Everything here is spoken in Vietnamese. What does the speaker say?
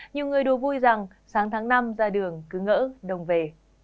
nhiều người đùa vui rằng sáng tháng năm ra đường cứ ngỡ đông về